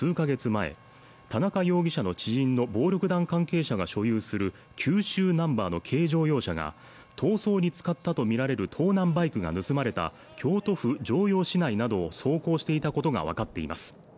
前田中容疑者の知人の暴力団関係者が所有する九州ナンバーの軽乗用車が逃走に使ったと見られる盗難バイクが盗まれた京都府城陽市内などを走行していたことがわかっています